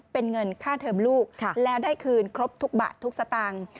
เป็นเงินค่าเทิมลูกแล้วได้คืนครบทุกบาททุกสตางค์